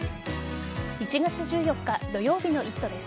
１月１４日土曜日の「イット！」です。